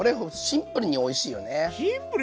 シンプルにおいしい。